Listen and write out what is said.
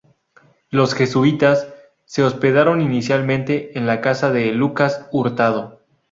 Los jesuitas se hospedaron inicialmente en la casa de Lucas Hurtado.